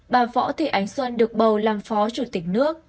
bà võ thị ánh xuân được bầu làm phó chủ tịch nước